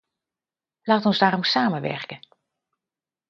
Laat ons daarom samenwerken.